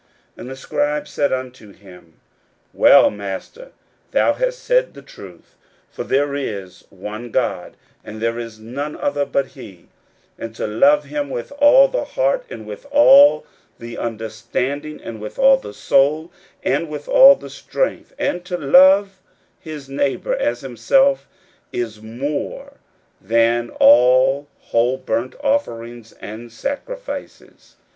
41:012:032 And the scribe said unto him, Well, Master, thou hast said the truth: for there is one God; and there is none other but he: 41:012:033 And to love him with all the heart, and with all the understanding, and with all the soul, and with all the strength, and to love his neighbour as himself, is more than all whole burnt offerings and sacrifices.